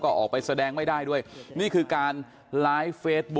ก่อนที่จะก่อเหตุนี้นะฮะไปดูนะฮะสิ่งที่เขาได้ทิ้งเอาไว้นะครับ